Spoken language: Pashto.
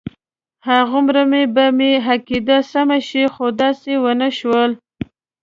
هغومره به مې عقیده سمه شي خو داسې ونه شول.